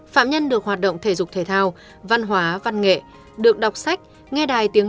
phạm nhân được hoạt động thể dục thể thao văn hóa văn nghệ được đọc sách nghe đài tiếng